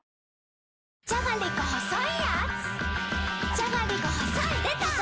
じゃがりこ細いやーつ